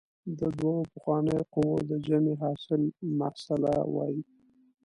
د دوو پخوانیو قوو د جمع حاصل محصله وايي.